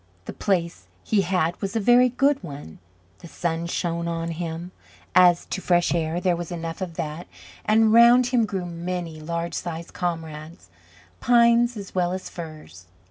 The place he had was a very good one; the sun shone on him; as to fresh air, there was enough of that, and round him grew many large sized comrades, pines as well as firs.